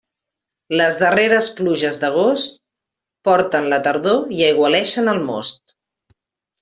Les darreres pluges d'agost porten la tardor i aigualeixen el most.